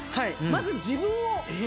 まず自分を。